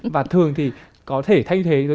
và thường thì có thể thay thế